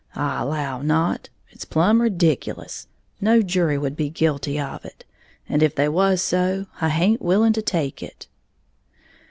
I allow not it's plumb ridiculous, no jury would be guilty of it; and if they was to, I haint willing to take it."